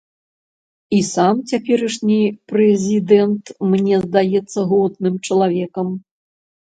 І сам цяперашні прэзідэнт мне здаецца годным чалавекам.